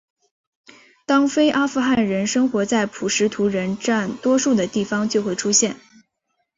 当非阿富汗人生活在普什图人占多数的地方就会出现。